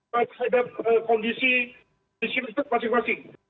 terhadap kondisi disiplin itu masing masing